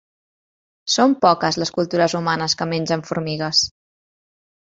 Són poques les cultures humanes que mengen formigues.